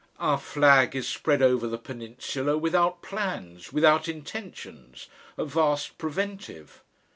Our flag is spread over the peninsula, without plans, without intentions a vast preventive.